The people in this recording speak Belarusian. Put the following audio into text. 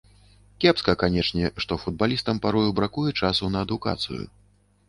Кепска, канечне, што футбалістам парою бракуе часу на адукацыю.